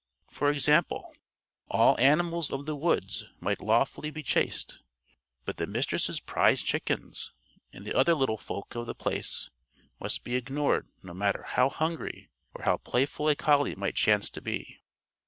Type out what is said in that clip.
For example: All animals of the woods might lawfully be chased; but the Mistress' prize chickens and the other little folk of The Place must be ignored no matter how hungry or how playful a collie might chance to be.